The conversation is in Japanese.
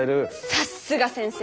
さすが先生。